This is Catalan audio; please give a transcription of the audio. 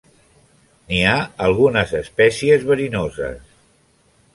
N'hi ha algunes espècies verinoses.